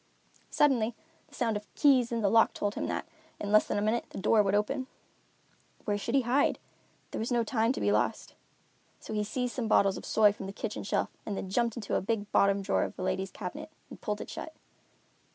Suddenly the sound of keys in the lock told him that, in less than a minute, the door would open. Where should he hide? There was no time to be lost. So he seized some bottles of soy from the kitchen shelf and then jumped into the big bottom drawer of a ladies' cabinet, and pulled it shut.